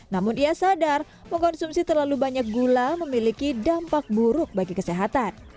namun ia sadar mengkonsumsi terlalu banyak gula memiliki dampak buruk bagi kesehatan